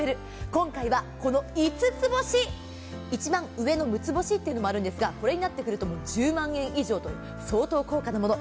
今回はこの５つ星、一番上の６つ星というものもあるんですがこれになってくると１０万円以上という相当高価なもの。